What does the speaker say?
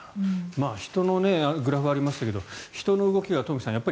人のグラフがありましたが人の動きが東輝さん